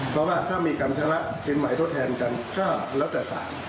เพราะว่าถ้ามีการชะละสินหมายโทษแทนกัน๙แล้วแต่๓